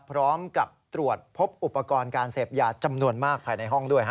พร้อมกับตรวจพบอุปกรณ์การเสพยาจำนวนมากภายในห้องด้วย